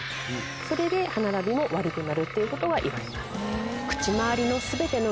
それで歯並びも悪くなるということはいわれます。